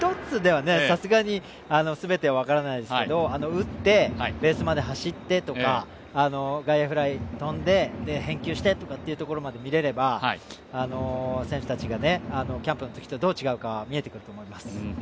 １つでは、さすがに全ては分からないですけど、打って、ベースまで走ってとか外野フライ飛んで、返球してというところまで見れれば選手たちがキャンプのときとどう違うかは見えてくると思います。